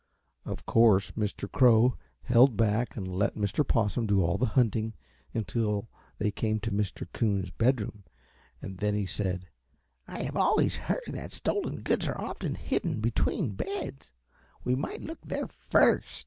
Of course Mr. Crow held back and let Mr. Possum do all the hunting until they came to Mr. Coon's bedroom, and then he said: "I have always heard that stolen goods are often hidden between beds. We might look there first."